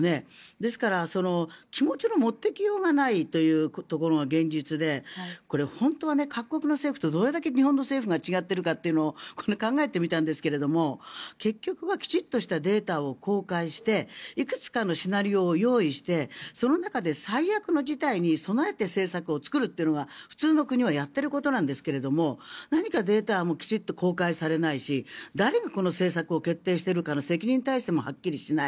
ですから気持ちの持っていきようがないというところが現実でこれ、本当に各国の政府とどれだけ日本の政府が違っているかというのを考えてみたんですが結局はきちんとしたデータを公開していくつかのシナリオを用意してその中で最悪の事態に備えて政策を作るというのは普通の国はやっていることなんですが何かデータもきちんと公開されないし誰がこの政策を決定しているかの責任体制もはっきりしない